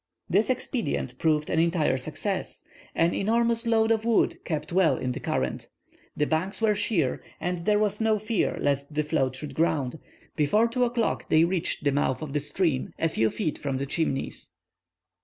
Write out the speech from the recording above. This expedient proved an entire success. The enormous load of wood kept well in the current. The banks were sheer, and there was no fear lest the float should ground; before 2 o'clock they reached the mouth of the stream, a few feet from the Chimneys.